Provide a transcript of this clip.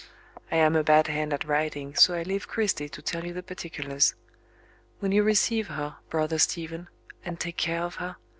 I am a bad hand at writing, so I leave Cristy to tell you the particulars. Will you receive her, brother Stephen? and take care of her?